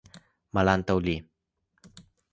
Malantaŭ li .